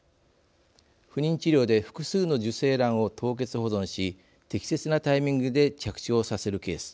不妊治療で複数の受精卵を凍結保存し適切なタイミングで着床させるケース。